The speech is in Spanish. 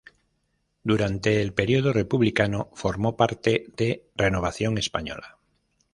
Durante el periodo republicano formó parte de Renovación Española.